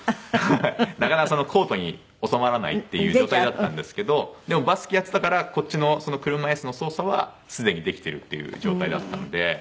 なかなかコートに収まらないっていう状態だったんですけどでもバスケやってたからこっちの車いすの操作はすでにできてるっていう状態だったので。